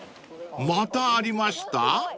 ［またありました？］